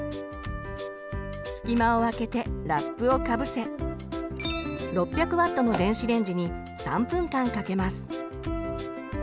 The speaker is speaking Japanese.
隙間をあけてラップをかぶせ６００Ｗの電子レンジに３分間かけます。